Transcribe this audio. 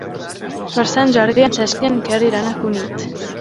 Per Sant Jordi en Cesc i en Quer iran a Cunit.